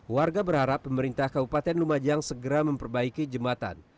warga berharap pemerintah kabupaten lumajang segera memperbaiki jembatan